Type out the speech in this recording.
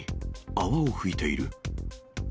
泡を吹いている。